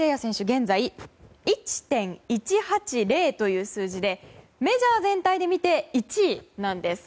現在１．１８０という数字でメジャー全体で見て１位なんです。